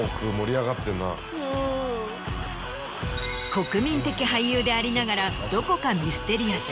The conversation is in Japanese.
国民的俳優でありながらどこかミステリアス。